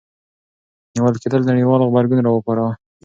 نیول کېدل نړیوال غبرګون راوپاروه.